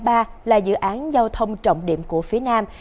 tuyến đường vành đai ba là dự án giao thông trọng điểm của phía nước